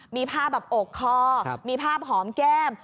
มีภาพแบบอกคอมีภาพหอมแก้ม